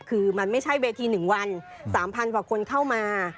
คือมันไม่ใช่เวทีหนึ่งวัน๓๐๐๐คนเข้ามา